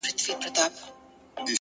ریښتینی ارزښت په کردار کې وي!